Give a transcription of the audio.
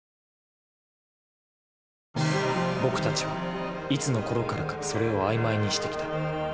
僕たちはいつのころからか「それ」を曖昧にしてきた。